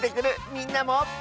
みんなも。